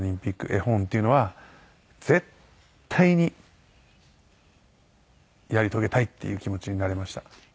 絵本っていうのは絶対にやり遂げたいっていう気持ちになれました。